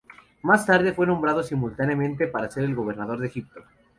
Más tarde, fue nombrado simultáneamente para ser el gobernador de Egipto.